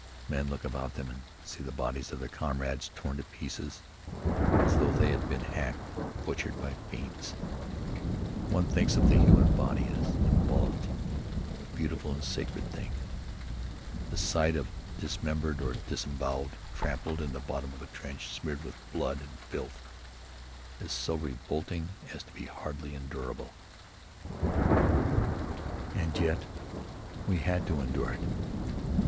Men look about them and see the bodies of their comrades torn to pieces as though they had been hacked and butchered by fiends. One thinks of the human body as inviolate, a beautiful and sacred thing. The sight of it dismembered or disemboweled, trampled in the bottom of a trench, smeared with blood and filth, is so revolting as to be hardly endurable. And yet, we had to endure it.